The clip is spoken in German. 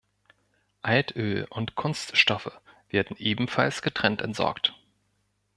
Altöl und Kunststoffe werden ebenfalls getrennt entsorgt.